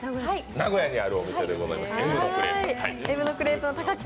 名古屋にあるお店でございます。